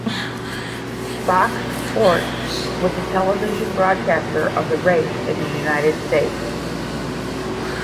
Fox Sports was the television broadcaster of the race in the United States.